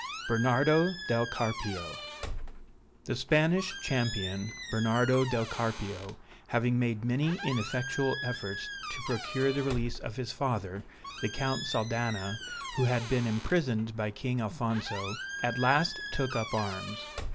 BERNARDO DEL CARPIO (The Spanish champion, Bernardo del Carpio, having made many ineffectual efforts to procure the release of his father, the Count Saldana, who had been imprisoned by King Alfonso, at last took up arms.